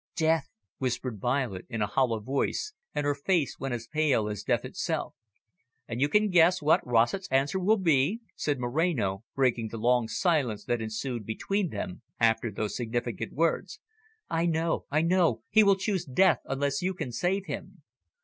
"Death," whispered Violet in a hollow voice, and her face went as pale as death itself. "And you can guess what Rossett's answer will be?" said Moreno, breaking the long silence that ensued between them after those significant words. "I know, I know. He will choose death unless you can save him."